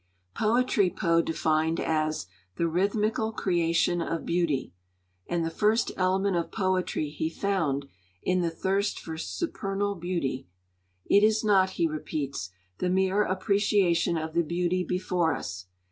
Poetry Poe defined as 'the rhythmical creation of beauty'; and the first element of poetry he found in 'the thirst for supernal beauty.' 'It is not,' he repeats, 'the mere appreciation of the beauty before us.